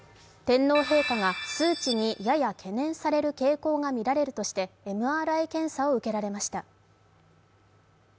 天皇陛下が数値にやや懸念される傾向があるとしてＭＲＩ検査を受けられました。